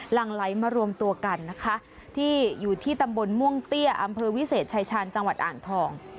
หลังไหลมารวมตัวกันนะคะที่อยู่ที่ตำบลม่วงเตี้ยอำเภอวิเศษชายชาญจังหวัดอ่างทอง